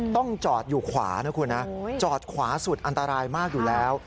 ต้องจอดอยู่ขวานะคุณนะจอดขวาสุดอันตรายมากอยู่แล้ว